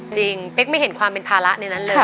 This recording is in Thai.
เป๊กไม่เห็นความเป็นภาระในนั้นเลย